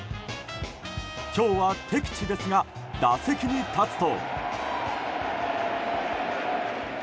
今日は敵地ですが打席に立つと。